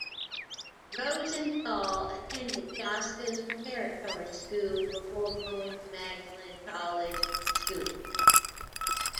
Rosenthal attended Josca's Preparatory School before going to Magdalen College School.